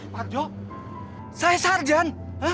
parjo saya sarjan